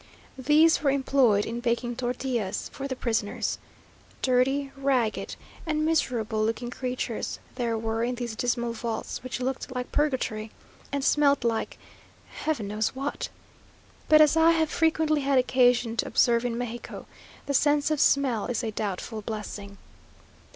These were employed in baking tortillas for the prisoners. Dirty, ragged, and miserable looking creatures there were in these dismal vaults, which looked like purgatory, and smelt like Heaven knows what! But, as I have frequently had occasion to observe in Mexico, the sense of smell is a doubtful blessing.